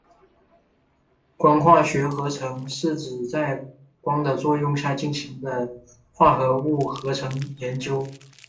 光化学合成是指在光的作用下进行的化合物合成研究。